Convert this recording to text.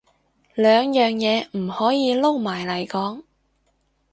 兩樣嘢唔可以撈埋嚟講